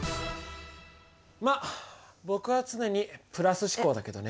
まっ僕は常にプラス思考だけどね。